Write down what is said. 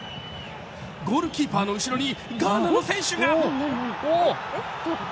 ゴールキーパーの後ろにガーナの選手が！